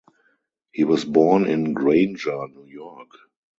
He was born in Granger, New York.